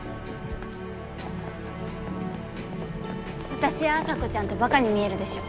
私や麻子ちゃんってばかに見えるでしょ。